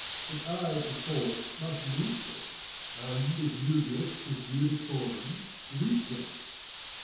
Yet I, perforce, must meet them. And as new guest with due decorum greet them.